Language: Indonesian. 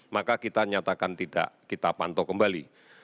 maka kita nyatakan tidak kita pantau kembali